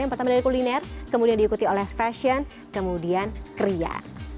yang pertama dari kuliner kemudian diikuti oleh fashion kemudian kria